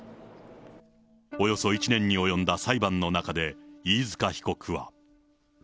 およそ１年に及んだ裁判の中で、飯塚被告は。